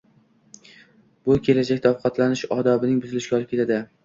bu kelajakda ovqatlanish odobining buzilishiga olib keladi.